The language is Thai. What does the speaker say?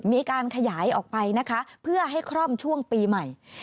มีการขยายออกไปนะคะเพื่อให้คร่อมช่วงปีใหม่